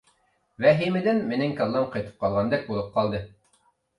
ۋەھىمىدىن مېنىڭ كاللام قېتىپ قالغاندەك بولۇپ قالدى.